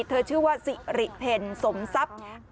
ชื่อว่าสิริเพลสมทรัพย์